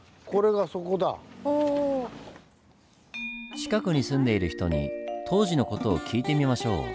近くに住んでいる人に当時の事を聞いてみましょう。